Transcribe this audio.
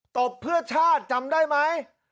ตบเพื่อชาติจำได้มั้ย